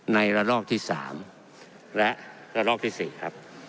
ในระลอกที่๓และระลอกที่๔ครับ